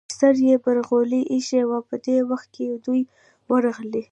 پر سر یې برغولی ایښی و، په دې وخت کې دوی ورغلې.